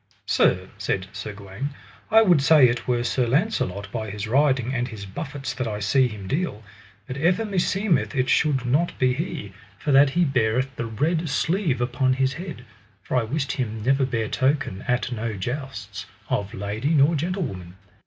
Sir, said Sir Gawaine, I would say it were Sir Launcelot by his riding and his buffets that I see him deal, but ever meseemeth it should not be he, for that he beareth the red sleeve upon his head; for I wist him never bear token at no jousts, of lady nor gentlewoman.